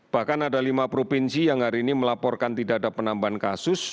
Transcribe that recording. bahkan ada lima provinsi yang hari ini melaporkan tidak ada penambahan kasus